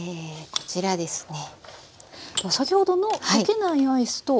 こちらですね